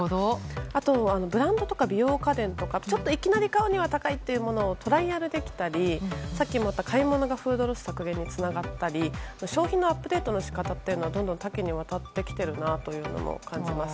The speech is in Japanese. あとブランドとか美容家電とかいきなり買うのは高いというものをトライアルできたりさっきも買い物がフードロス削減につながったり消費のアップデートの仕方がどんどん多岐にわたってきていると感じます。